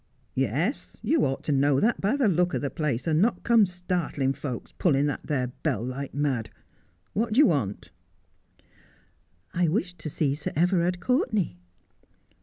' Yes. You ought to know that by the look o' the place, and not come startling folks, pulling that there bell like mad. What do you want ?'' I wished to see Sir Everard Courtenay.'